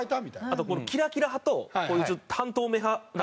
あとキラキラ派とこういう半透明派。